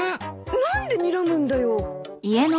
何でにらむんだよ。